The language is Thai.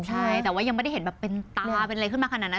ใช่แต่ว่ายังไม่ได้เห็นแบบเป็นตาเป็นอะไรขึ้นมาขนาดนั้น